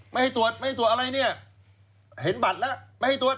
ไม่ให้ตรวจไม่ตรวจอะไรเนี่ยเห็นบัตรแล้วไม่ให้ตรวจ